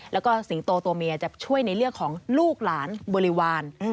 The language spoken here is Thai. แล้วก็สิงโตตัวเมียจะช่วยในเรื่องของลูกหลานบริวาร